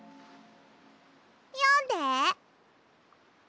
よんで。